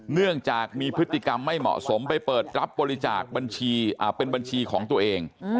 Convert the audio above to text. เนื่องจากมีพฤติกรรมไม่เหมาะสมไปเปิดรับบริจาคเป็นบัญชีของตัวเอง